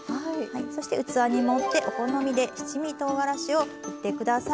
そして器に盛ってお好みで七味とうがらしをふって下さい。